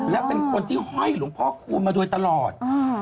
และเป็นคนที่ห้อยหลวงพ่อคูณมาโดยตลอด